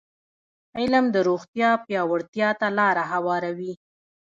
علم د روغتیا پیاوړتیا ته لاره هواروي.